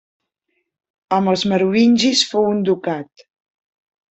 Amb els merovingis fou un ducat.